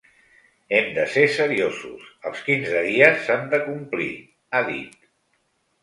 “Hem de ser seriosos, els quinze dies s’han de complir”, ha dit.